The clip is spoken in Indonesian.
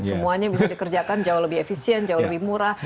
semuanya bisa dikerjakan jauh lebih efisien jauh lebih murah